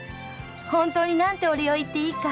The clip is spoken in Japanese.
本当に何てお礼を言っていいか。